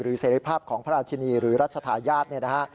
หรือเสร็จภาพของพระอาชินีหรือรัฐธายาตร